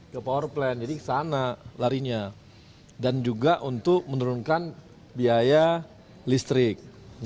ke power plant jadi ke sana larinya dan juga untuk menurunkan biaya listrik